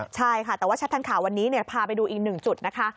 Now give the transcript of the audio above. ใช่ค่ะแต่ว่าชัดทันข่าววันนี้พาไปดูอีกหนึ่งจุดนะคะ